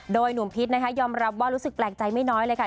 โดยหนุ่มพิษนะคะยอมรับว่ารู้สึกแปลกใจไม่น้อยเลยค่ะ